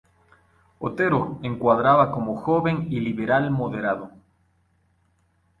Otero encuadraba como joven y "liberal moderado".